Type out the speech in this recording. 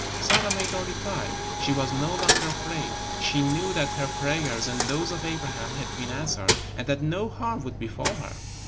Sarah made no reply. She was no longer afraid. She knew that her prayers, and those of Abraham, had been answered, and that no harm would befall her.